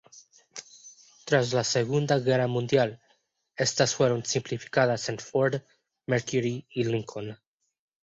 Tras la Segunda Guerra Mundial, estas fueron simplificadas en Ford, Mercury, y Lincoln.